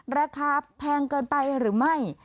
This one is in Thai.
แพงเกินไปหรือไม่